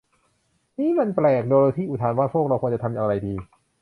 นี้มันแปลก โดโรธีอุทานว่า พวกเราควรจะทำอะไรดี